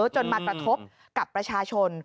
จนมากระทบกับประชาชน